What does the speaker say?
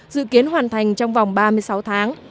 dự kiến hoàn thành trong vòng ba mươi sáu tháng